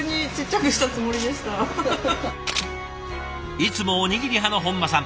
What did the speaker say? いつもおにぎり派の本間さん。